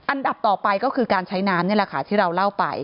อันดับต่อไปก็คือการใช้น้ำนี่แหละค่ะที่เราเล่าไป